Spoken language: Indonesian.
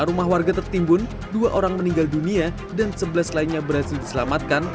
lima rumah warga tertimbun dua orang meninggal dunia dan sebelas lainnya berhasil diselamatkan